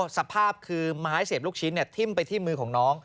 สภาพคือไม้เสียบลูกชิ้นทิ้มไปที่มือของน้อง